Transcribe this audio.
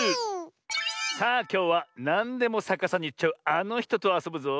さあきょうはなんでもさかさにいっちゃうあのひととあそぶぞ。